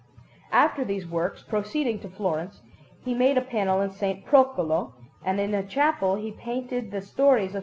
After these works, proceeding to Florence, he made a panel in S. Procolo, and in a chapel he painted the stories of S.